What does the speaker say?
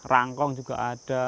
rangkong juga ada